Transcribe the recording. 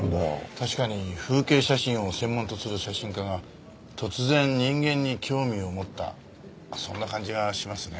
確かに風景写真を専門とする写真家が突然人間に興味を持ったそんな感じがしますね。